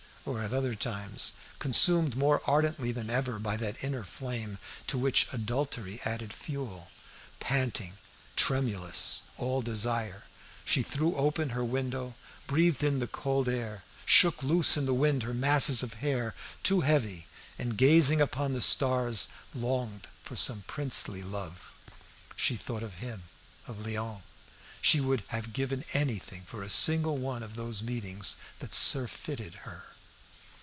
Or at other times, consumed more ardently than ever by that inner flame to which adultery added fuel, panting, tremulous, all desire, she threw open her window, breathed in the cold air, shook loose in the wind her masses of hair, too heavy, and, gazing upon the stars, longed for some princely love. She thought of him, of Léon. She would then have given anything for a single one of those meetings that surfeited her.